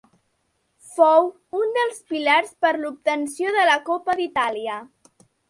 Fou un dels pilars per l'obtenció de la Copa d'Itàlia.